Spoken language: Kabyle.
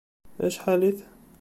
Acḥal-it?